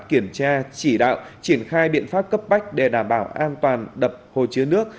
kiểm tra chỉ đạo triển khai biện pháp cấp bách để đảm bảo an toàn đập hồ chứa nước